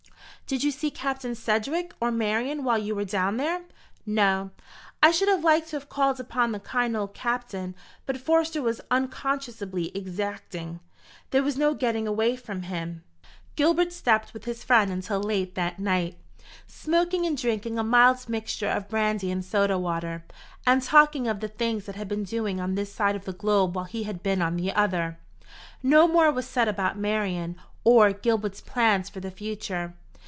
"Did you see Captain Sedgewick, or Marian, while you were down there?" "No. I should have liked to have called upon the kind old Captain; but Forster was unconscionably exacting, there was no getting away from him." Gilbert stopped with his friend until late that night, smoking and drinking a mild mixture of brandy and soda water, and talking of the things that had been doing on this side of the globe while he had been on the other. No more was said about Marian, or Gilbert's plans for the future.